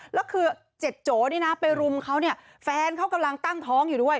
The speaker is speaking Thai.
แล้วคือ๗โจนี่นะไปรุมเขาเนี่ยแฟนเขากำลังตั้งท้องอยู่ด้วย